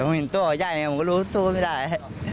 พอเห็นตัวของย่ายผมก็รู้สู้ไม่ได้